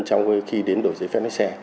trong khi đến đổi giấy phép lái xe